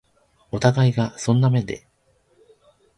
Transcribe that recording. お互いがそんな目で